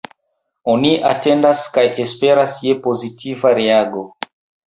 Oni atendas kaj esperas je pozitiva reago.